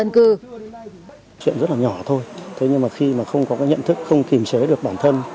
dân cư chuyện rất là nhỏ thôi thế nhưng mà khi mà không có cái nhận thức không kìm chế được bản thân